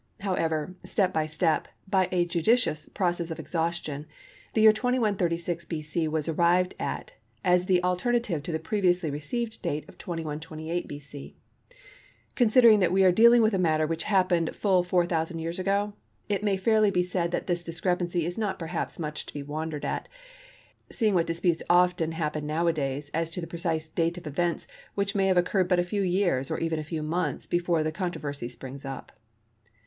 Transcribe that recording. However, step by step, by a judicious process of exhaustion, the year 2136 B.C. was arrived at as the alternative to the previously received date of 2128 B.C. Considering that we are dealing with a matter which happened full 4000 years ago, it may fairly be said that this discrepancy is not perhaps much to be wondered at, seeing what disputes often happen nowadays as to the precise date of events which may have occurred but a few years or even a few months before the controversy springs up.